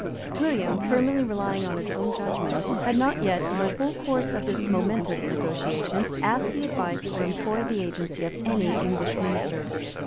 William, firmly relying on his own judgment, had not yet, in the whole course of this momentous negotiation, asked the advice or employed the agency of any English minister.